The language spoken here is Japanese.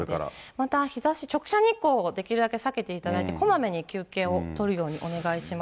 また日ざし、直射日光をできるだけ避けていただいて、こまめに休憩をとるようにお願いします。